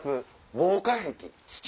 防火壁。